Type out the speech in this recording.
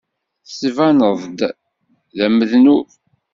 Tettbaneḍ-d d amednub.